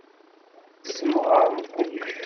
Tessemɣarem kullec.